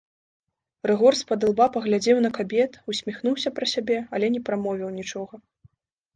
Рыгор з-пад ілба паглядзеў на кабет, усміхнуўся пра сябе, але не прамовіў нічога.